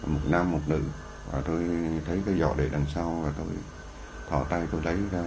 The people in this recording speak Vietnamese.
một nàm một nữ và tôi thấy cái giọt đệ đằng sau và tôi thỏ tay tôi lấy ra